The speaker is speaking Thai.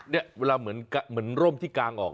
นี่เวลาเหมือนร่มที่กางออก